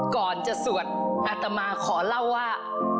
ก่อนจะสวดอัตมาขอเล่าว่า